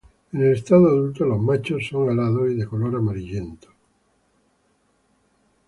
En el estado adulto, los machos son alados y de color amarillento.